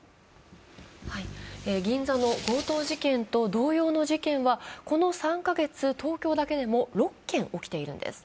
銀座の強盗事件と同様の事件はこの３か月、東京だけでも６件起きているんです。